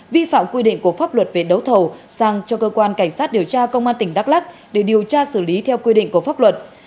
vi phạm quy định của pháp luật về đấu thầu sang cho cơ quan cảnh sát điều tra công an tỉnh đắk lắc để điều tra xử lý theo quy định của pháp luật